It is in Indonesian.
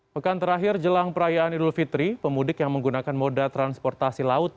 pekan terakhir jelang perayaan idul fitri pemudik yang menggunakan moda transportasi laut